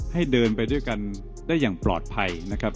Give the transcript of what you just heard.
ให้เดินไปด้วยกันได้อย่างปลอดภัยนะครับ